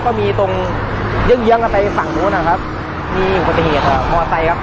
ก็มีตรงเยี่ยมเยี่ยมกลับไปสั่งโดนอะครับมีหุ่นปฏิเหตุมอเบอร์ไซค์ครับ